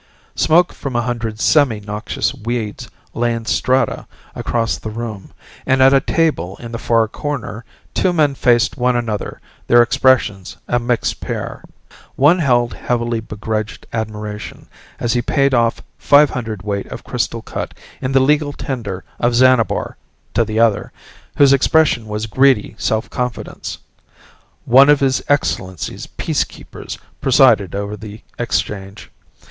Smoke from a hundred semi noxious weeds lay in strata across the room, and at a table in the far corner two men faced one another, their expressions a mixed pair. One held heavily begrudged admiration as he paid off five hundredweight of crystal cut in the legal tender of Xanabar to the other, whose expression was greedy self confidence. One of His Excellency's Peacekeepers presided over the exchange.